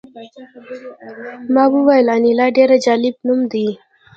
ما وویل انیلا ډېر جالب نوم دی